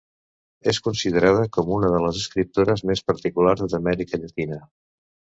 És considerada com una de les escriptores més particulars d'Amèrica Llatina.